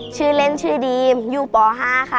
ชื่อเล่นชื่อดีมอยู่ป๕ค่ะ